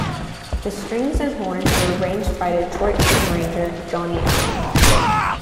The strings and horns were arranged by Detroit arranger, Johnny Allen.